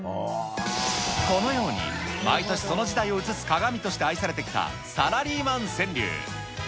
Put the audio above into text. このように、毎年その時代を映す鏡として愛されてきたサラリーマン川柳。